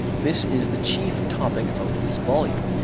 That is the chief topic of this volume.